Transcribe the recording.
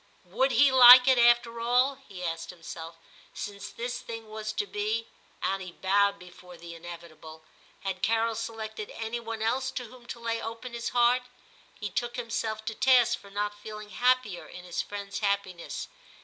' Would he like it after all,' he asked himself, * since this thing was to be ' (and he bowed before the inevitable), *had Carol selected any one else to whom to lay open his heart V He took himself to task for not feeling happier in his friend s happiness.